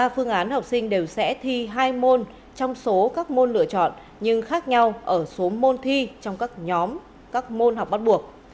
ba phương án học sinh đều sẽ thi hai môn trong số các môn lựa chọn nhưng khác nhau ở số môn thi trong các nhóm các môn học bắt buộc